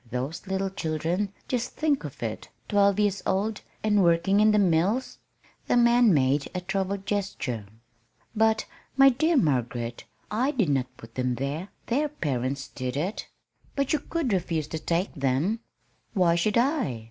Those little children just think of it twelve years old, and working in the mills!" The man made a troubled gesture. "But, my dear Margaret, I did not put them there. Their parents did it." "But you could refuse to take them." "Why should I?"